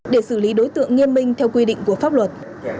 để xử lý đối tượng nghiêm minh theo quy định của pháp luật